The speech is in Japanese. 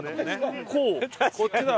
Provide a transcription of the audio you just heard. こっちだ！